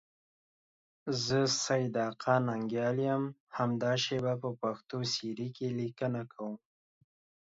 زه سیدآقا ننگیال یم، همدا شیبه په پښتو سیرې کې لیکنه کوم.